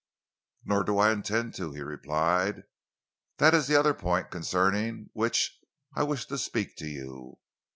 "Nor do I intend to," he replied. "That is the other point concerning which I wish to speak to you.